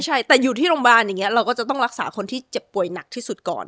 ใช่แต่อยู่ที่โรงพยาบาลอย่างนี้เราก็จะต้องรักษาคนที่เจ็บป่วยหนักที่สุดก่อน